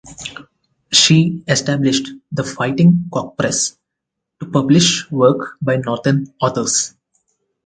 She established the Fighting Cock Press to publish work by northern authors.